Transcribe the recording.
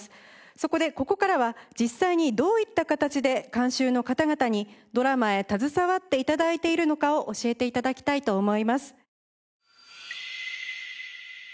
そこでここからは実際にどういった形で監修の方々にドラマへ携わって頂いているのかを教えて頂きたいと思います。